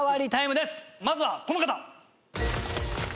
まずはこの方。